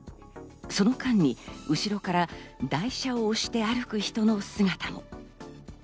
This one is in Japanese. その間に後ろから台車を押して歩く人の姿が。